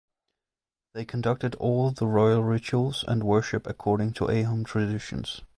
They conducted all the royal rituals and worship according to Ahom traditions.